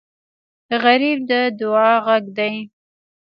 غریب د دعا غږ دی